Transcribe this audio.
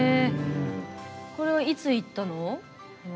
これは、いつ行ったの？